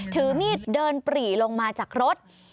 ถือมีดเดินปรีลงมาจากรถ